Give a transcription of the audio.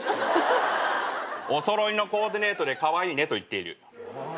お揃いのコーディネートでカワイイねと言っている。